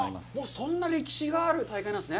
そんなに歴史がある大会なんですね。